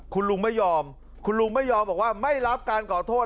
คุณลุงไม่ยอมคุณลุงไม่ยอมบอกว่าไม่รับการขอโทษ